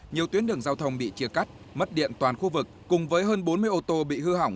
nhiều tuyến đường giao thông bị chia cắt mất điện toàn khu vực cùng với hơn bốn mươi ô tô bị hư hỏng